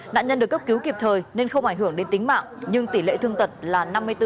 nạn nhân được cấp cứu kịp thời nên không ảnh hưởng đến tính mạng nhưng tỷ lệ thương tật là năm mươi bốn